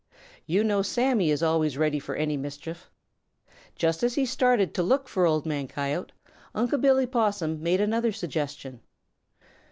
You know Sammy is always ready for any mischief. Just as he started to look for Old Man Coyote, Unc' Billy Possum made another suggestion.